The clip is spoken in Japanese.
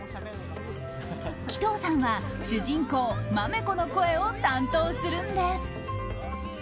鬼頭さんは主人公まめこの声を担当するんです。